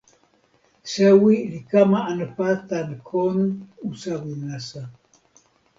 sewi li kama anpa tan kon usawi nasa.